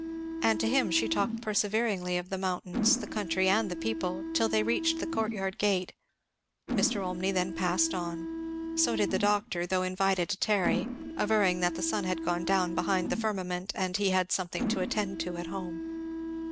And to him she talked perseveringly, of the mountains, the country, and the people, till they reached the courtyard gate. Mr. Olmney then passed on. So did the doctor, though invited to tarry, averring that the sun had gone down behind the firmament and he had something to attend to at home.